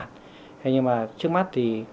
nhưng mà trước mắt